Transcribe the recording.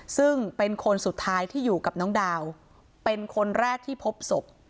ซึ่งเป็นคนสุดท้ายที่อยู่กับน้องดาวเป็นคนแรกที่พบศพ